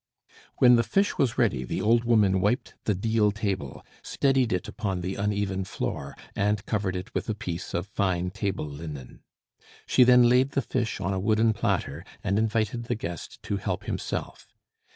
When the fish was ready, the old woman wiped the deal table, steadied it upon the uneven floor, and covered it with a piece of fine table linen. She then laid the fish on a wooden platter, and invited the guest to help himself.